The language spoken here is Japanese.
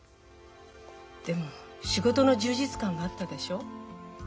でも仕事の充実感があったでしょう？